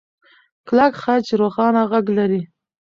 کلک خج روښانه غږ لري.